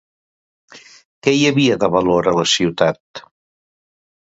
Què hi havia de valor a la ciutat?